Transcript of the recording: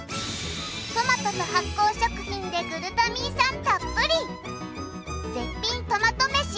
トマトと発酵食品でグルタミン酸たっぷり絶品トマトめし